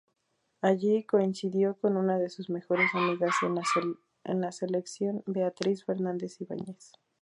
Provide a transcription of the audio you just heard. Allí coincidió con una de sus mejores amigas en la selección, Beatriz Fernández Ibáñez.